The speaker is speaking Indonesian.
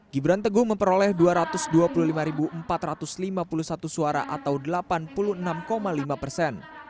gibran teguh memperoleh dua ratus dua puluh lima empat ratus lima puluh satu suara atau delapan puluh enam lima persen